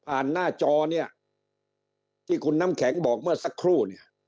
หน้าจอเนี่ยที่คุณน้ำแข็งบอกเมื่อสักครู่เนี่ย